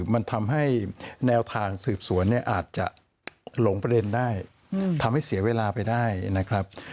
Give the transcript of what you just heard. มันทำให้แนวทางสืบสวนเนี่ยอาจจะหลงประเด็นได้ทำให้เสียเวลาไปได้นะครับ